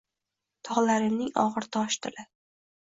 Tog’larimning og’ir tosh tili